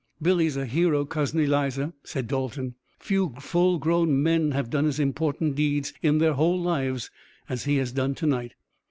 "Billy's a hero, Cousin Eliza," said Dalton. "Few full grown men have done as important deeds in their whole lives as he has done to night.